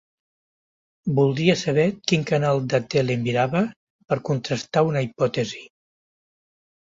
Voldria saber quin canal de tele mirava per contrastar una hipòtesi.